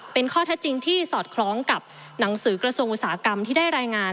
เป็นข้อเท็จจริงที่สอดคล้องกับหนังสือกระทรวงอุตสาหกรรมที่ได้รายงาน